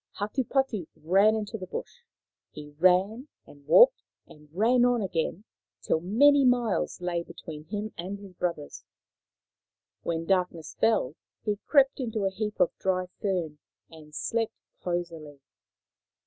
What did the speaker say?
Hatupatu ran into the bush. He ran, and walked, and ran on again, till many miles lay between him and his brothers. When darkness fell he crept into a heap of dry fern and slept cosily.